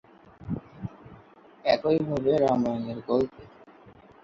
একইভাবে, রামায়ণের গল্পে।